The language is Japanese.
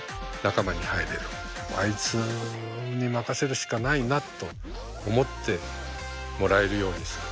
あいつに任せるしかないなと思ってもらえるようにする。